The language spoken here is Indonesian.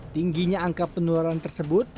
tingginya angka penularan tersebut